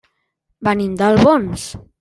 Venim d'Albons.